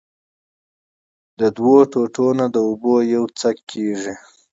د دؤو ټوټو نه د اوبو يو يو څک کېږي